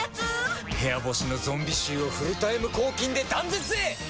部屋干しのゾンビ臭をフルタイム抗菌で断絶へ！